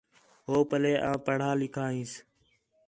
ہُو پلّے آں پڑھا لِکھا ہینس